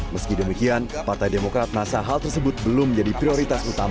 meski demikian partai demokrat merasa hal tersebut belum menjadi prioritas utama